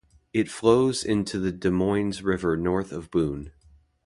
It flows into the Des Moines River north of Boone.